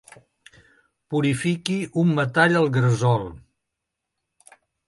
Purifiqui un metall al gresol.